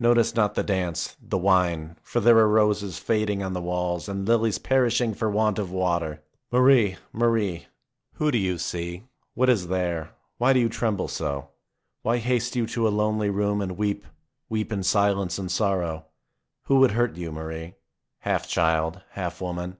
Notice not the dance, the wine, for there are roses fading on the walls and lilies perishing for want of water. Marie, Marie ! who do you see ? What is there ? Why do you tremble so ? Why haste you to a lonely room and weep, weep in silence and sorrow ? Who would hurt you, Marie, half child, half woman?